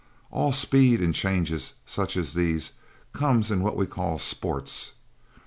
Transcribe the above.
All speed in changes such as these comes in what we call 'sports'.